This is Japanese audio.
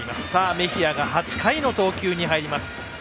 メヒアが８回の投球に入ります。